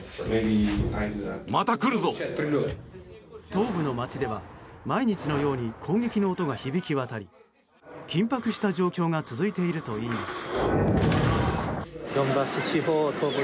東部の街では毎日のように攻撃の音が響き渡り緊迫した状況が続いているといいます。